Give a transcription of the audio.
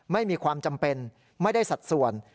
ไม่มีความจำเป็นไม่ได้สัดส่วน